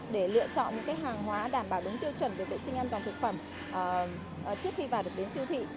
để lựa chọn những hàng hóa đảm bảo đúng tiêu chuẩn về vệ sinh an toàn thực phẩm trước khi vào được đến siêu thị